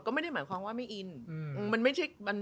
ก็ไม่ได้หมายความว่าไม่อิน